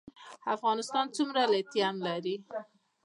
افغانستان څومره لیتیم لري؟